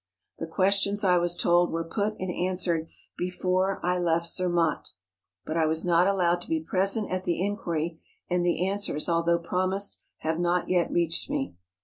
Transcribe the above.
The questions, I was told, were put and an¬ swered before I left Zermatt; but I was not allowed THE MATTERHORN. 109 to be present at the inquiry, and the answers although promised, have not yet reached me.